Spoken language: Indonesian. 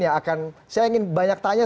yang akan saya ingin banyak tanya